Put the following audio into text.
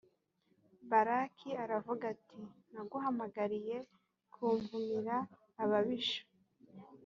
balaki aravuga ati naguhamagariye kumvumira ababisha.